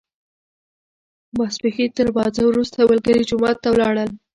د ماسپښین تر لمانځه وروسته ملګري جومات ته ولاړل.